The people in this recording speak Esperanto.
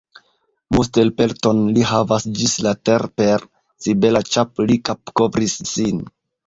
Mustelpelton li havas ĝis la ter', Per zibela ĉap' li kapkovris sin.